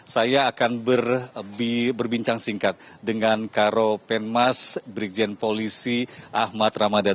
saya akan berbincang singkat dengan karo penmas brigjen polisi ahmad ramadan